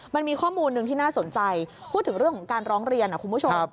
มันมีข้อมูลหนึ่งที่น่าสนใจพูดถึงเรื่องของการร้องเรียนคุณผู้ชม